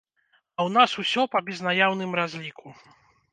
А ў нас усё па безнаяўным разліку.